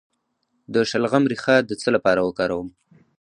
د شلغم ریښه د څه لپاره وکاروم؟